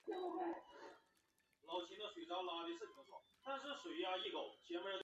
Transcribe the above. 他现在效力于塞尔维亚足球超级联赛球队库卡瑞奇足球俱乐部。